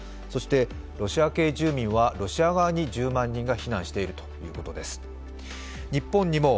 そしてロシア系住民はロシア側に１０万人が避難しているということです。